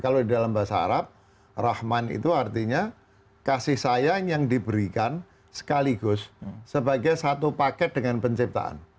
kalau di dalam bahasa arab rahman itu artinya kasih sayang yang diberikan sekaligus sebagai satu paket dengan penciptaan